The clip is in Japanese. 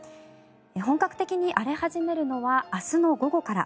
本格的に荒れ始めるのは明日の午後から。